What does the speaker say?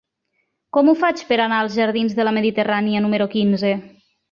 Com ho faig per anar als jardins de la Mediterrània número quinze?